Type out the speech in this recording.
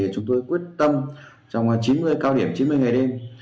chúng tôi quyết tâm trong chín mươi cao điểm chín mươi ngày đêm